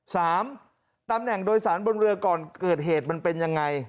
สามตำแหน่งโดยสารบนเรือก่อนเกิดเหตุมันเป็นยังไง